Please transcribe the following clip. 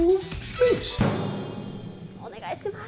お願いします。